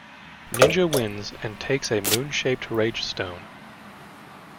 Ninja wins and takes a moon-shaped Rage Stone.